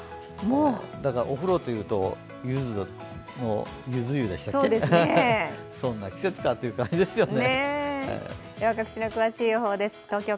だからお風呂というと、ゆず湯でしたっけ、そんな季節かという感じですね。